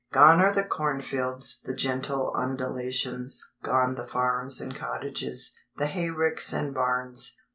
Gone are the cornfields, the gentle undulations, gone the farms and cottages, the hayricks and barns.